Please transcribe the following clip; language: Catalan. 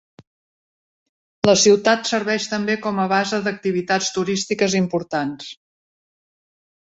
La ciutat serveix també com a base d'activitats turístiques importants.